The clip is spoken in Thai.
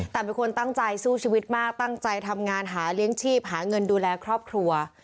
แต่เป็นคนตั้งใจสู้ชีวิตมากตั้งใจทำงานหาเลี้ยงชีพหาเงินดูแลครอบครัว